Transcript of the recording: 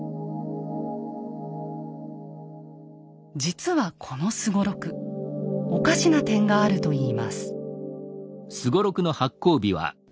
実はこのすごろくおかしな点があるといいます。